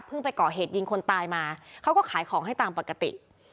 ไปก่อเหตุยิงคนตายมาเขาก็ขายของให้ตามปกติ